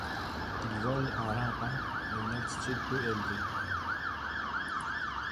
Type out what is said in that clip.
Ils volent en rampant à une altitude peu élevée.